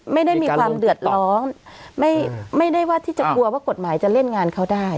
ไม่ได้มีความเดือดร้อนไม่ได้ว่าที่จะกลัวว่ากฎหมายจะเล่นงานเขาได้